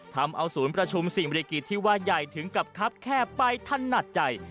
ทำเอาศูนย์ประชุมสิ่งบริกิจที่ว่าใหญ่ถึงกับคับแคบไปถนัดใจ